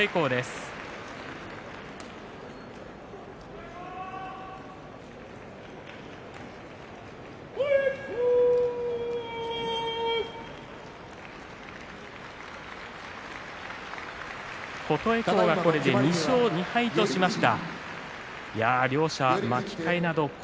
拍手琴恵光２勝２敗としました。